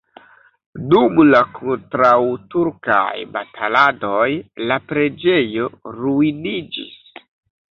Dum la kontraŭturkaj bataladoj la preĝejo ruiniĝis.